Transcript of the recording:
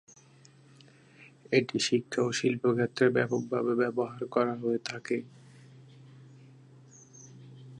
এটি শিক্ষা ও শিল্পক্ষেত্রে ব্যাপকভাবে ব্যবহার করা হয়ে থাকে।